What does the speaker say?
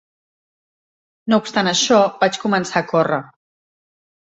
No obstant això, vaig començar a córrer.